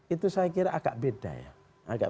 itu saya kira agak beda ya agak